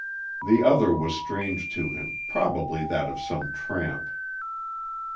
The other was strange to him, probably that of some tramp.